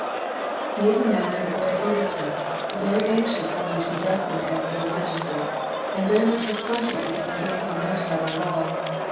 " He is a man in a gray overcoat, very anxious for me to address him as <your majesty,' and very much affronted because I gave him no title at all.